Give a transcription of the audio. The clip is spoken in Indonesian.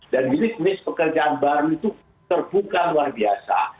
dan jenis jenis pekerjaan baru itu terbuka luar biasa